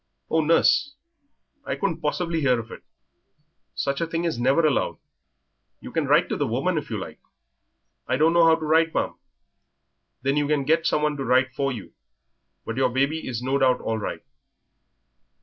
"Oh, nurse, I couldn't possibly hear of it; such a thing is never allowed. You can write to the woman, if you like." "I do not know how to write, ma'am." "Then you can get some one to write for you. But your baby is no doubt all right."